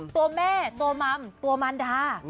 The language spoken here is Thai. ตัวแม่ตัวมัมตัวมันดา